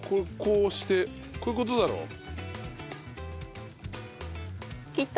こうしてこういう事だろ。